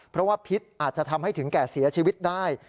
เพราะว่าพิษอาจจะทำให้ถึงแก่เสียชีวิตได้